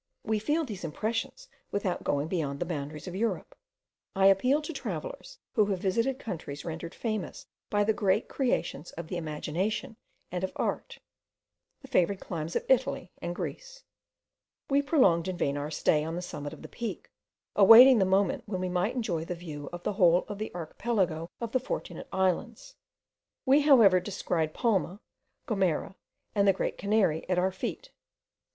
We feel these impressions without going beyond the boundaries of Europe. I appeal to travellers who have visited countries rendered famous by the great creations of the imagination and of art, the favoured climes of Italy and Greece. We prolonged in vain our stay on the summit of the Peak, awaiting the moment when we might enjoy the view of the whole of the archipelago of the Fortunate Islands:* we, however, descried Palma, Gomera, and the Great Canary, at our feet.